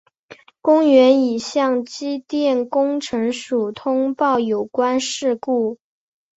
公园已向机电工程署通报有关事故。